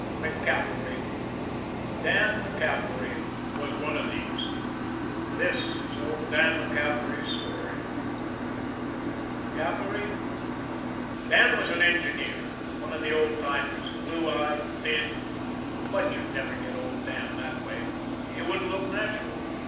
MacCaffery, Dan MacCaffery, was one of these. This is old Dan MacCaffery's story. MacCaffery? Dan was an engineer, one of the old timers, blue eyed, thin but you'd never get old Dan that way, he wouldn't look natural!